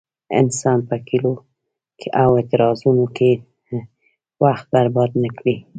انسان په ګيلو او اعتراضونو کې وخت برباد نه کړي.